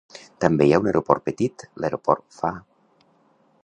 També hi ha un aeroport petit, l'aeroport Wa.